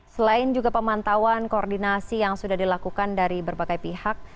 selain juga pemantauan koordinasi yang sudah dilakukan dari berbagai pihak